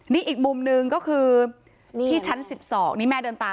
นี่อีกมุมหนึ่งก็คือที่ชั้น๑๒นี่แม่เดินตาม